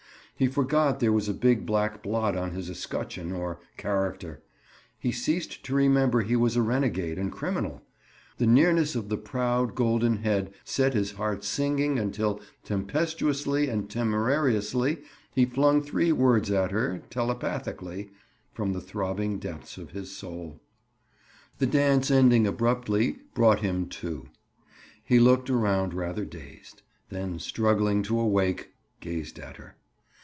He forgot there was a big black blot on his escutcheon, or character. He ceased to remember he was a renegade and criminal. The nearness of the proud golden head set his heart singing until tempestuously and temerariously he flung three words at her, telepathically, from the throbbing depths of his soul. The dance ending abruptly "brought him to." He looked around rather dazed; then struggling to awake, gazed at her.